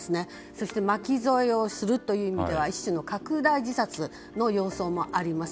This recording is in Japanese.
そして巻き添えをするということでは拡大自殺の様相もあります。